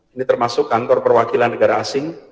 ini termasuk kantor perwakilan negara asing